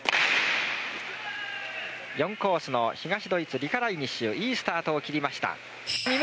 ４コースの東ドイツリカ・ライニッシュいいスタートを切りました。